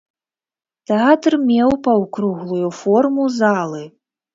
Тэатр меў паўкруглую форму залы.